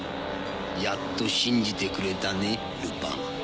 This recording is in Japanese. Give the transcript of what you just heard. やっと信じてくれたねルパン。